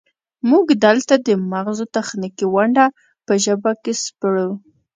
موږ دلته د مغزو تخنیکي ونډه په ژبه کې سپړو